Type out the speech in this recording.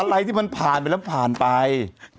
อะไรที่มันผ่านไปแล้วผ่านไป